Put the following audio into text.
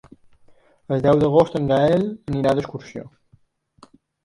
El deu d'agost en Gaël irà d'excursió.